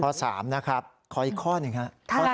๓นะครับขออีกข้อหนึ่งครับ